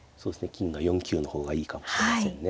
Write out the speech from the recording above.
金が４九の方がいいかもしれませんね。